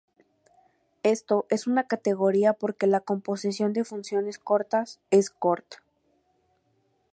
Esto es una categoría porque la composición de funciones cortas es corta.